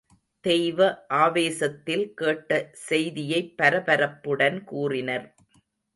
தெய்வ ஆவேசத்தில் கேட்ட செய்தியைப் பரபரப்புடன் கூறினர்.